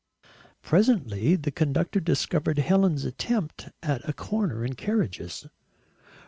Presently the conductor discovered Helen's attempt at a corner in carriages.